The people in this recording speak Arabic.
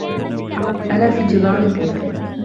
أنا في انتظار ابنِكِ.